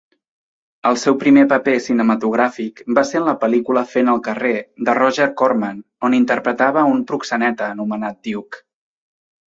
El seu primer paper cinematogràfic va ser en la pel·lícula "Fent el carrer" de Roger Corman on interpretava a un proxeneta anomenat Duke.